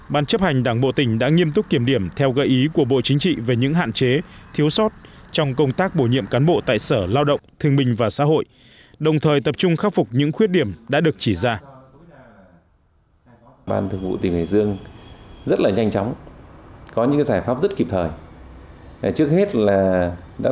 bàn chấp hành đảng bộ tỉnh đã nghiêm túc kiểm điểm theo gợi ý của bộ chính trị về những hạn chế thiếu sót trong công tác bổ nhiệm cán bộ tại sở lao động thương bình và xã hội đồng thời tập trung khắc phục những khuyết điểm đã được chỉ ra